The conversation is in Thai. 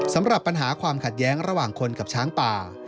สำหรับปัญหาความขัดแย้งระหว่างคนกับช้างป่า